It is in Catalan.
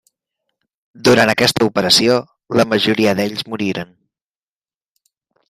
Durant aquesta operació, la majoria d'ells moriren.